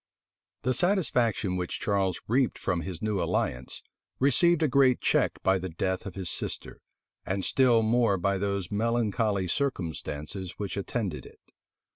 The satisfaction which Charles reaped from his new alliance received a great check by the death of his sister, and still more by those melancholy circumstances which attended it.